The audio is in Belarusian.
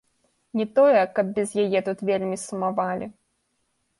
Не тое, каб без яе тут вельмі сумавалі.